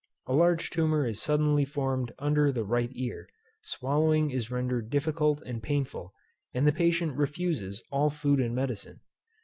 A large tumour is suddenly formed under the right ear; swallowing is rendered difficult and painful; and the patient refuses all food and medicine.